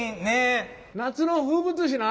夏の風物詩な。